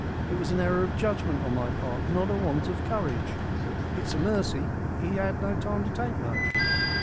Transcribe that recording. It was an error of judgment on my part, not a want of courage. It's a mercy he'd no time to take much."